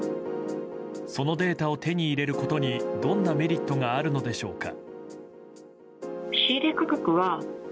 そのデータを手に入れることにどんなメリットがあるのでしょうか。